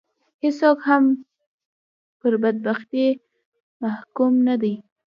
هېڅوک هم پر بدبختي محکوم نه دي.